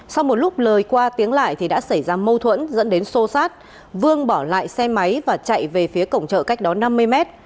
sau một lúc lời qua tiếng lại thì đã xảy ra mâu thuẫn dẫn đến sô sát vương bỏ lại xe máy và chạy về phía cổng chợ cách đó năm mươi mét